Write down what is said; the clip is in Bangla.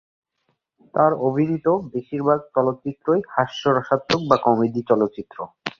তার অভিনীত বেশিরভাগ চলচ্চিত্রই হাস্য-রসাত্মক বা কমেডি চলচ্চিত্র।